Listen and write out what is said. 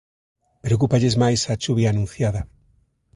Preocúpalles máis a chuvia anunciada.